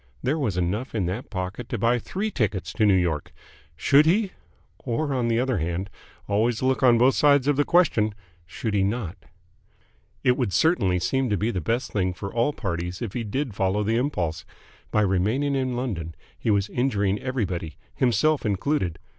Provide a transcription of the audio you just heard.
There was enough in that pocket to buy three tickets to New York. Should he? ... Or, on the other hand always look on both sides of the question should he not? It would certainly seem to be the best thing for all parties if he did follow the impulse. By remaining in London he was injuring everybody, himself included.